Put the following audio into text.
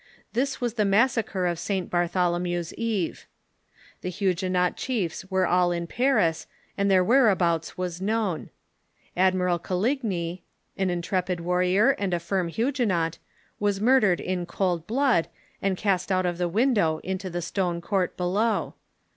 This was the Massacre of St. Bartholomew's Eve. The Huguenot chiefs were all in Paris, and their whereabouts was known. Admiral Coligny, an intrepid warrior and a firm Huguenot, was murdered in cold blood, and cast out of the window into the stone court below.